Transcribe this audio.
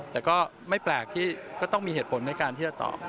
แต่ก็ไม่แปลกที่ก็ต้องมีเหตุผลในการที่จะตอบ